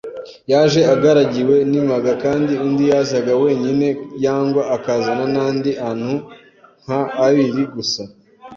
Yaje agaragiwe n’imaga kandi uundi yazaga wenyine yangwa akazana n’andi antu nka airi gusa